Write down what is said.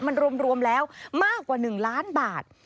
มันรวมแล้วมากกว่า๑ล้านบาท